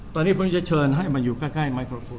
ตอนนี้ผมจะเชิญให้มาอยู่ใกล้ไมโครโฟน